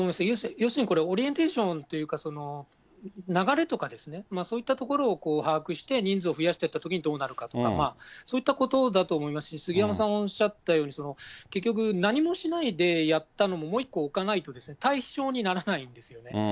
要するに、これ、オリエンテーションというか、流れとかですね、そういったところを把握して、人数を増やしていったときにどうなのかとか、そういったことだと思いますし、杉山さんおっしゃったように、結局、何もしないでやったのも、もう一個おかないと、対照にならないんですよね。